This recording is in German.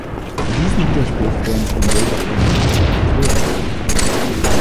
Diesen Widerspruch werden sie dem Bürger aber wohl kaum erklären können.